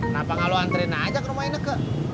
kenapa gak lo antren aja ke rumah ineke